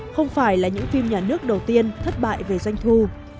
không phải là những phim nhà nước đầu tiên thất bại về doanh thu